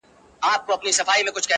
او مذهبونو کي اساس ورته پيدا کېږي